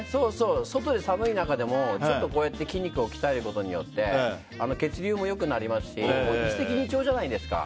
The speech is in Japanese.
外で寒い中でもこうやって筋肉を鍛えることで血流も良くなりますし一石二鳥じゃないですか。